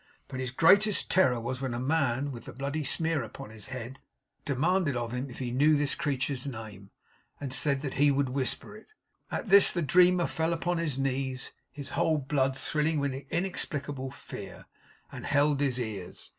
But his greatest terror was when the man with the bloody smear upon his head demanded of him if he knew this creatures name, and said that he would whisper it. At this the dreamer fell upon his knees, his whole blood thrilling with inexplicable fear, and held his ears.